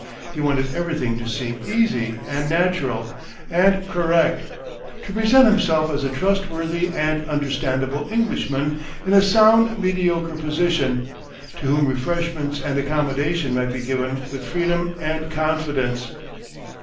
He wanted everything to seem easy and natural and correct, to present himself as a trustworthy and understandable Englishman in a sound mediocre position, to whom refreshment and accommodation might be given with freedom and confidence.